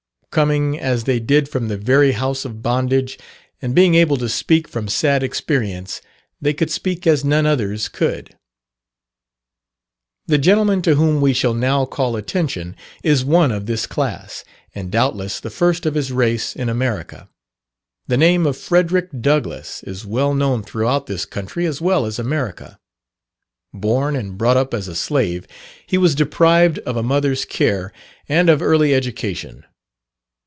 Coming as they did from the very house of bondage, and being able to speak from sad experience, they could speak as none others could. The gentleman to whom we shall now call attention is one of this class, and doubtless the first of his race in America. The name of Frederick Douglass is well known throughout this country as well as America. Born and brought up as a slave, he was deprived of a mother's care and of early education.